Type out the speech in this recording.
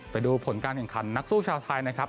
ไปดูผลการแข่งขันนักสู้ชาวไทยนะครับ